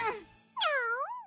ニャオ。